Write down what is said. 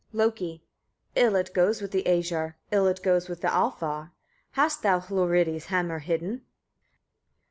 Loki. 8. "Ill it goes with the Æsir, Ill it goes with the Alfar. Hast thou Hlorridi's hammer hidden?"